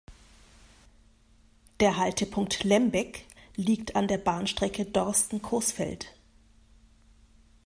Der Haltepunkt "Lembeck" liegt an der Bahnstrecke Dorsten–Coesfeld.